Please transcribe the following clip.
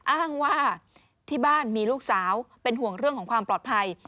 อ้างว่าที่บ้านมีลูกสาวเป็นห่วงเรื่องของความปลอดภัย